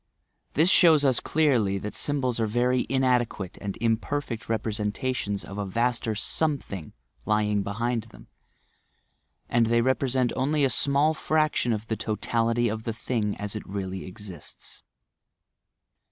This shows us clearly that symbols are very inadequate and imperfect representations of a vaster "something" lying behind them, and they represent only a small fraction of the totality of the thing as it really exists.